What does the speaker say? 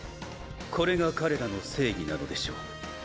これが彼らの正義なのでしょう。